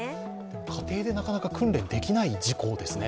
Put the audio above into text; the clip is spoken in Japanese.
家庭でなかなか訓練できない事項ですね。